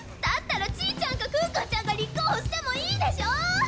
だったらちぃちゃんか可可ちゃんが立候補してもいいでしょ！